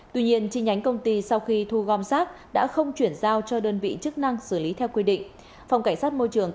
tuy nhiên chi nhánh công ty sau khi thu gom rác đã không chuyển giao cho đơn vị chức năng xử lý theo quy định